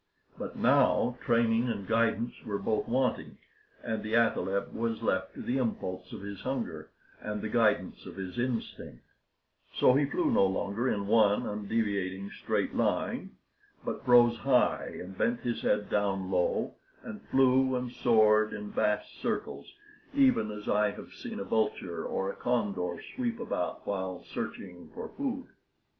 But now training and guidance were both wanting, and the athaleb was left to the impulse of his hunger and the guidance of his instinct; so he flew no longer in one undeviating straight line, but rose high, and bent his head down low, and flew and soared in vast circles, even as I have seen a vulture or a condor sweep about while searching for food.